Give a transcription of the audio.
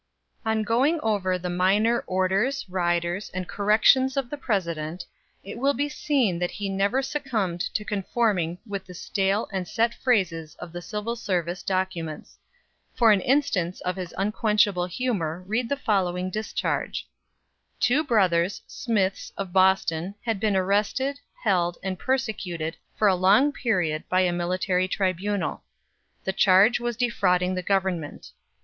On going over the minor orders, riders, and corrections of the President, it will be seen that he never succumbed to conforming with the stale and set phrases of the civil service documents. For an instance of his unquenchable humor read the following discharge: Two brothers, Smiths, of Boston, had been arrested, held, and persecuted for a long period by a military tribunal. The charge was defrauding the government.